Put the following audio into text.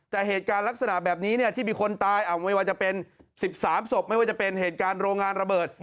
แต่เหตุการณ์ลักษณะแบบนี้ที่มีคนตายไม่ว่าจะเป็น๑๓ศพไม่ว่าจะเป็นเหตุการณ์โรงงานระเบิด